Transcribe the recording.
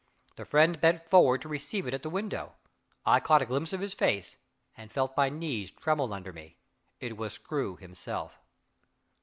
The friend bent forward to receive it at the window. I caught a glimpse of his face, and felt my knees tremble under me it was Screw himself!